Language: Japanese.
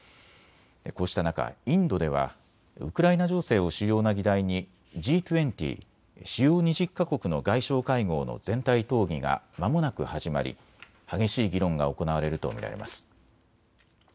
こうした中、インドではウクライナ情勢を主要な議題にＧ２０・主要２０か国の外相会合の全体討議がまもなく始まり激しい議論が行われると見られます。